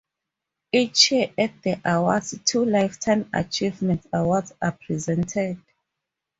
Each year at the awards, two lifetime achievement awards are presented.